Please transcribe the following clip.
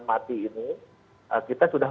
mati ini kita sudah